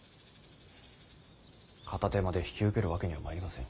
片手間で引き受けるわけにはまいりません。